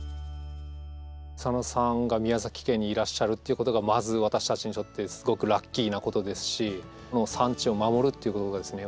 草野さんが宮崎県にいらっしゃるっていうことがまず私たちにとってすごくラッキーなことですしこの産地を守るということがですね